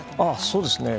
そうですね。